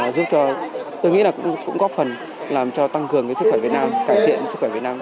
giúp cho tôi nghĩ là cũng góp phần làm cho tăng cường sức khỏe việt nam cải thiện sức khỏe việt nam